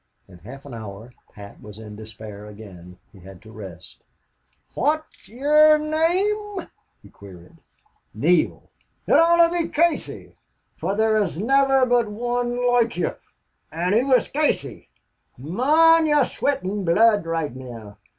In half an hour Pat was in despair again. He had to rest. "Phwat's ye're name?" he queried. "Neale." "It ought to be Casey. Fer there was niver but wan loike ye an' he was Casey.... Mon, ye're sweatin' blood roight now!"